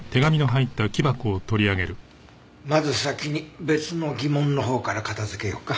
まず先に別の疑問のほうから片付けようか。